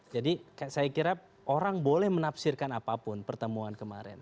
saya kira orang boleh menafsirkan apapun pertemuan kemarin